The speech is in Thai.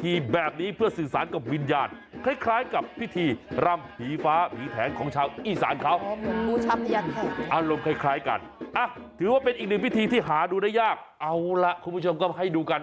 ถือว่าเป็นอีกหนึ่งพิธีที่หาดูได้ยากเอาล่ะคุณผู้ชมก็ให้ดูกัน